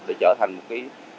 để trở thành một cái